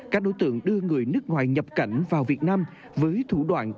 các đối tượng đưa người nước ngoài nhập cảnh vào việt nam với thủ đoạn